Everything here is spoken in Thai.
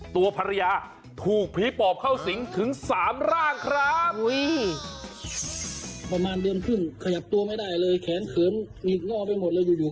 ตัวภรรยาถูกผีปอบเข้าสิงถึง๓ร่างครับ